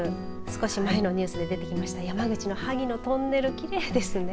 少し前のニュースで出てきました山口のはぎのトンネルきれいですね。ね。